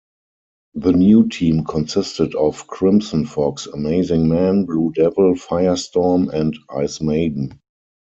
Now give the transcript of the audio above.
The new team consisted of Crimson Fox, Amazing-Man, Blue Devil, Firestorm, and Icemaiden.